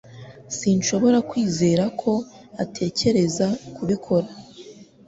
Sinshobora kwizera ko utekereza kubikora.